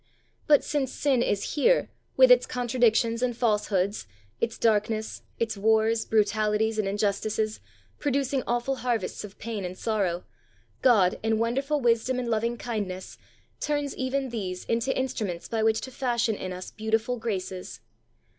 But since sin is here, with its contradictions and falsehoods, its darkness, its wars, brutalities and injustices, producing awful harvests of pain and sorrow, God, in wonderful wisdom and lovingkindness, turns even these into instruments by which to fashion in us beautiful graces.